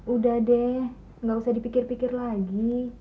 udah deh nggak usah dipikir pikir lagi